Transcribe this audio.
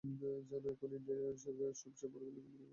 জানো, এখন ইন্ডিয়ার সবচেয়ে বড় বিল্ডিংগুলো ব্যাঙ্গালোরেই হচ্ছে।